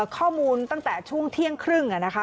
ข้อมูลตั้งแต่ช่วงเที่ยงครึ่งนะคะ